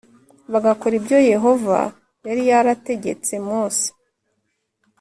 bagakora ibyo Yehova yari yarategetse Mose.